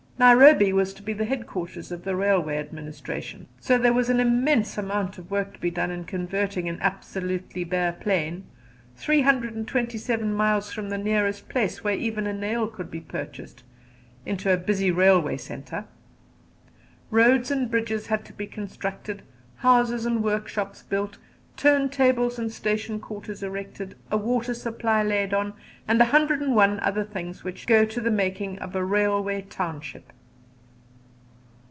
Nairobi was to be the headquarters of the Railway Administration, so there was an immense amount of work to be done in converting an absolutely bare plain, three hundred and twenty seven miles from the nearest place where even a nail could be purchased, into a busy railway centre. Roads and bridges had to be constructed, houses and work shops built, turntables and station quarters erected, a water supply laid on, and a hundred and one other things done which go to the making of a railway township.